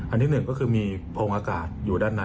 อันที่๑ก็คือมีโพรงอากาศอยู่ด้านใน